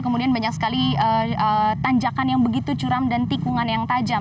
kemudian banyak sekali tanjakan yang begitu curam dan tikungan yang tajam